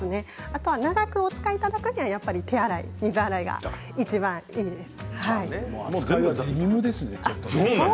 あとは、長くお使いいただくにはやっぱり手洗い水洗いがいちばんいいです。